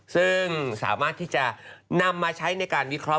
ซึ่งสามารถที่จะนำมาใช้ในการวิเคราะห